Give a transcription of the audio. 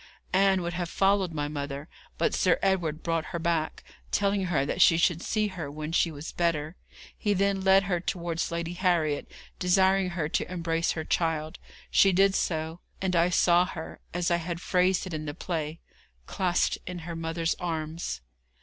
Ann would have followed my mother, but Sir Edward brought her back, telling her that she should see her when she was better. He then led her towards Lady Harriet, desiring her to embrace her child. She did so, and I saw her, as I had phrased it in the play, 'clasped in her mother's arms.'